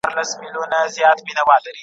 تدریس محدود وخت لري خو پوهنه ټول ژوند دی.